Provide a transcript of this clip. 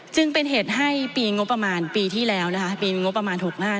จึงเป็นเหตุให้ปีงบประมาณปีที่แล้วนะคะปีงบประมาณ๖๕